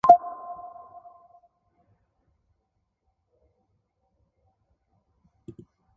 By contrast, Rubusana's movement was perceived as dominated by Gcaleka.